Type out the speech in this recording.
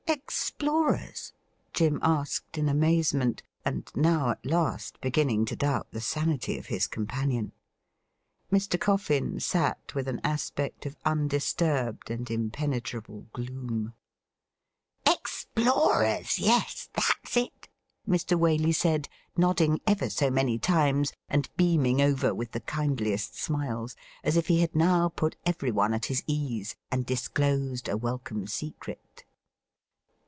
' Explorers .?' Jim asked in amazement, and now at last beginning to doubt the sanity of his companion. Mr. Coffin sat with an aspect of undisturbed and impenetrable gloom. ' Explorers, yes, that's it,' Mr. Waley said, nodding ever so many times, and beaming over with the kindliest smiles, as if he had now put everyone at his ease and disclosed a welcome secret.